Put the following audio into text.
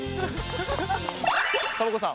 サボ子さん